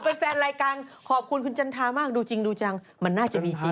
เป็นแฟนรายการขอบคุณคุณจันทรามากดูจริงดูจังมันน่าจะมีจริง